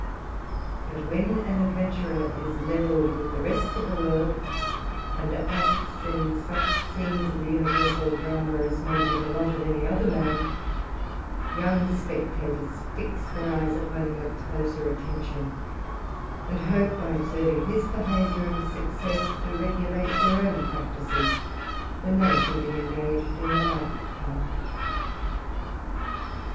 But when an adventurer is levelled with the rest of the trortd, and acts in such scenes of the universal drama, as may be ihe lot of any other man ; young spectators fix their e)'ea upon him with closer attention, and hope, by observing his behaviour and success, to regulate their own practices, when they shall be engaged in the Uke part.